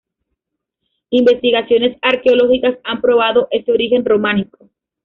Investigaciones arqueológicas han probado ese origen Románico.